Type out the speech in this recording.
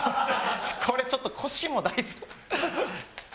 これちょっと腰もだいぶ。